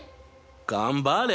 頑張れ！